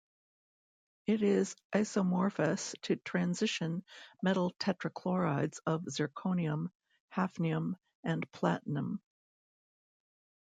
It is isomorphous to transition metal tetrachlorides of zirconium, hafnium, and platinum.